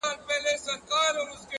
گرېـوانـونه به لانــــده كـــــــــړم-